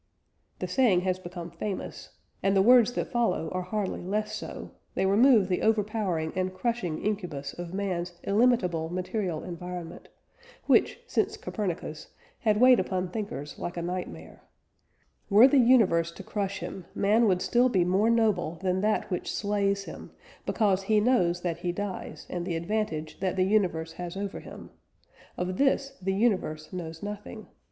The saying has become famous, and the words that follow are hardly less so; they remove the overpowering and crushing incubus of man's illimitable material environment, which, since Copernicus, had weighed upon thinkers like a nightmare: "Were the universe to crush him, man would still be more noble than that which slays him, because he knows that he dies, and the advantage that the universe has over him: of this the universe knows nothing.